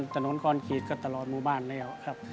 นครขีดก็ตลอดหมู่บ้านแล้วครับ